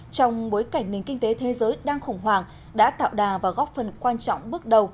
trong bối cảnh nền kinh tế thế giới đang khủng hoảng đã tạo đà và góp phần quan trọng bước đầu